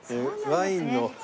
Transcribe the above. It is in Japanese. ワインの。